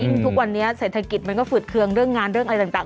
ทุกวันนี้เศรษฐกิจมันก็ฝืดเคืองเรื่องงานเรื่องอะไรต่าง